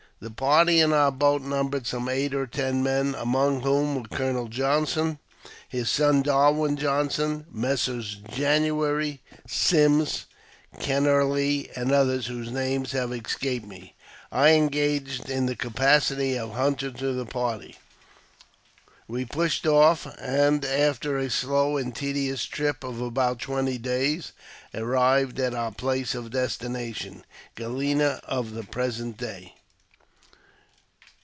The party in our boat numbered some eight or ten men, among whom were Colonel Johnson, his son Darwin Johnson, Messrs. January, Simmes, Kennerley, and others, whose names have escaped me. I engaged in the capacity of hunter to the party. "We pushed off, and after a slow and tedious trip of about twenty days, arrived at our place of destination (Galena of the present day).